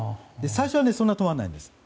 最初はそんなに止まらないんです。